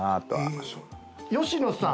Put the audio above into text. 吉野さん。